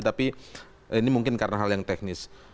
tapi ini mungkin karena hal yang teknis